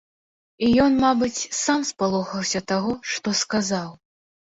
І ён, мабыць, сам спалохаўся таго, што сказаў.